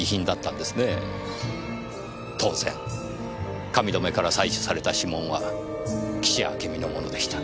当然髪留めから採取された指紋は岸あけみのものでした。